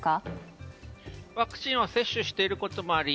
ワクチンを接種していることもあり